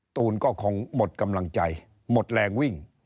ตูนก็คงหมดกำลังใจหมดแรงวิ่ง